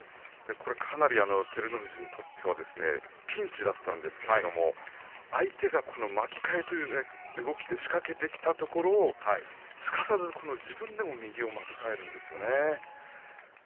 かなり照ノ富士にとってはピンチだったわけなんですけれども相手が巻き替えという動きで仕掛けてきたところをすかさず、自分でも右を巻き替えるんですよね。